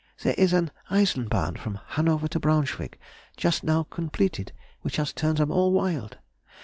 There is an Eisenbahn from Hanover to Braunschweig just now completed, which has turned them all wild.